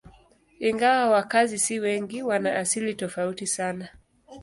Ingawa wakazi si wengi, wana asili tofauti sana.